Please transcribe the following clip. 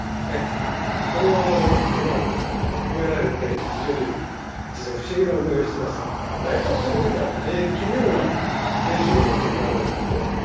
これは今、褒められて実は非常に不思議な思いをしていますが大多数の方は大変奇妙な原則だと思われるんですね。